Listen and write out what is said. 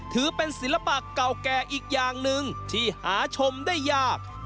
ถือเป็นศิลปะเก่าแก่อีกอย่างหนึ่งที่หาชมได้ยาก